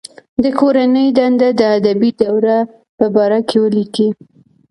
د کورنۍ دنده د ادبي دورې په باره کې ولیکئ.